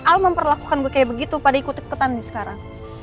al memperlakukan gue kayak begitu pada ikut ikutan sekarang